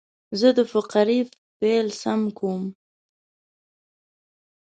زه د فقرې پیل سم کوم.